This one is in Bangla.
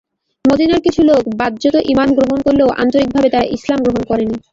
মদীনার কিছু লোক বাহ্যত ঈমান গ্রহণ করলেও আন্তরিকভাবে তারা ইসলাম গ্রহণ করেনি।